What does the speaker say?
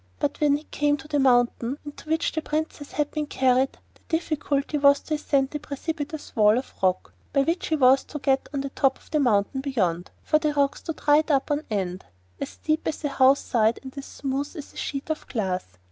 But when he came to the mountain into which the Princess had been carried, the difficulty was to ascend the precipitous wall of rock by which he was to get on to the mountain beyond, for the rock stood right up on end, as steep as a house side and as smooth as a sheet of glass.